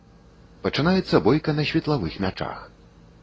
Пачынаецца бойка на светлавых мячах.